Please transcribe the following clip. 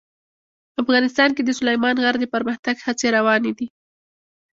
افغانستان کې د سلیمان غر د پرمختګ هڅې روانې دي.